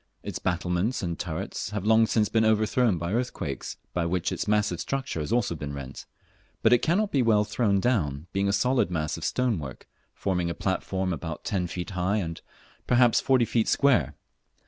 Its battlements and turrets have long since been overthrown by earthquakes, by which its massive structure has also been rent; but it cannot well be thrown down, being a solid mass of stonework, forming a platform about ten feet high, and perhaps forty feet square.